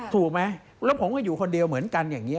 ถูกไหมแล้วผมก็อยู่คนเดียวเหมือนกันอย่างนี้